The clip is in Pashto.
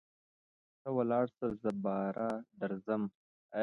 ته ولاړسه زه باره درځم.